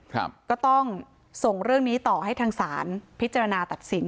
ครับก็ต้องส่งเรื่องนี้ต่อให้ทางศาลพิจารณาตัดสิน